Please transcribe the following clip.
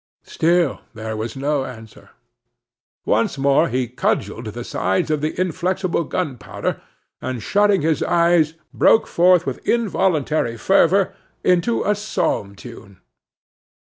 Still there was no answer. Once more he cudgelled the sides of the inflexible Gunpowder, and, shutting his eyes, broke forth with involuntary fervor into a psalm tune.